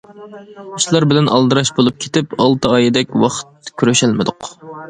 ئىشلار بىلەن ئالدىراش بولۇپ كېتىپ، ئالتە ئايدەك ۋاقىت كۆرۈشەلمىدۇق.